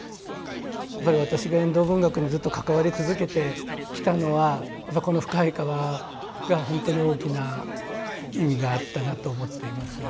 やっぱり私が遠藤文学にずっと関わり続けてきたのはこの「深い河」がほんとに大きな意味があったなと思っています。